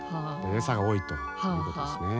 餌が多いということですね。